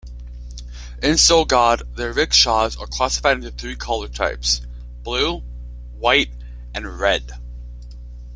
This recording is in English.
In Sogod, the rickshaws are classified into three color types: blue, white and red.